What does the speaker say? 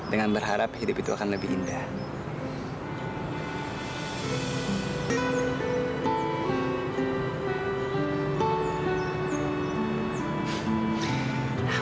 dengan berharap hidup itu akan lebih indah